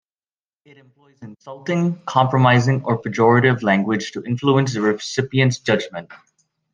It employs insulting, compromising or pejorative language to influence the recipient's judgment.